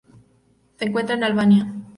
Se encuentra en Albania.